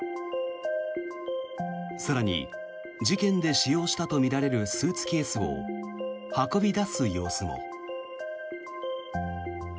更に、事件で使用したとみられるスーツケースを運び出す様子も。